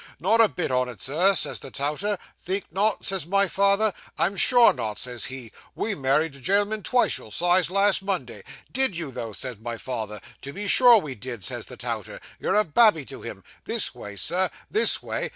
"Not a bit on it, Sir," says the touter. "Think not?" says my father. "I'm sure not," says he; "we married a gen'l'm'n twice your size, last Monday." "Did you, though?" said my father. "To be sure, we did," says the touter, "you're a babby to him this way, sir this way!"